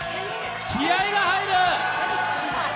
気合いが入る！